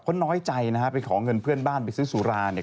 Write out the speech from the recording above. เพราะน้อยใจนะฮะไปขอเงินเพื่อนบ้านไปซื้อสุราเนี่ย